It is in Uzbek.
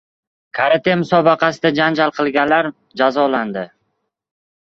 Karate musobaqasida janjal qilganlar jazolandi